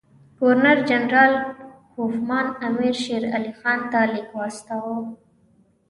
ګورنر جنرال کوفمان امیر شېرعلي خان ته لیک واستاوه.